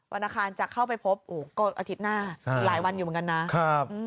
วันอาคารจะเข้าไปพบก็อาทิตย์หน้าหลายวันอยู่เหมือนกันนะครับ